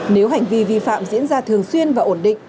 nếu hành vi vi phạm diễn ra thường xuyên và ổn định